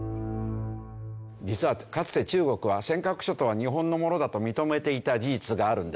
実はかつて中国は尖閣諸島は日本のものだと認めていた事実があるんです。